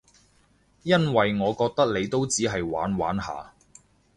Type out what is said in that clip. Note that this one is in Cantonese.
因為我覺得你都只係玩玩下